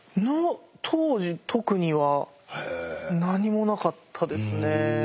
当時特には何もなかったですね。